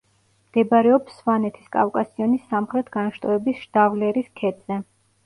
მდებარეობს სვანეთის კავკასიონის სამხრეთ განშტოების შდავლერის ქედზე.